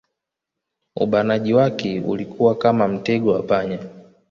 Ubanaji wake ulikuwa kama mtego wa panya